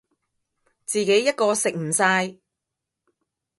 自己一個食唔晒